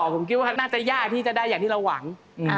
ผมคิดว่าน่าจะยากที่จะได้อย่างที่เราหวัง